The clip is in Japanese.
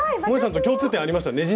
もえさんと共通点ありましたよ